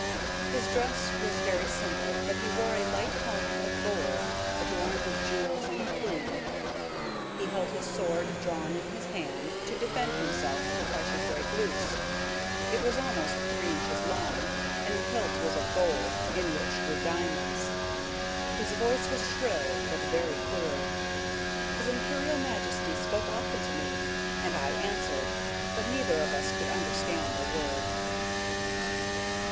His dress was very simple; but he wore a light helmet of gold, adorned with jewels and a plume. He held his sword drawn in his hand, to defend himself if I should break loose; it was almost three inches long, and the hilt was of gold, enriched with diamonds. His voice was shrill, but very clear. His Imperial Majesty spoke often to me, and I answered; but neither of us could understand a word.